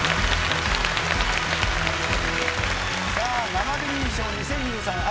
生デミー賞２０２３秋。